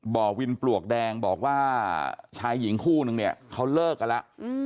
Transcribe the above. บ่อวินปลวกแดงบอกว่าชายหญิงคู่นึงเนี่ยเขาเลิกกันแล้ว